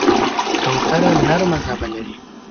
کوتره نرمه ژبه لري.